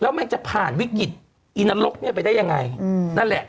แล้วมันจะผ่านวิกฤตอีนรกเนี่ยไปได้ยังไงอืมนั่นแหละ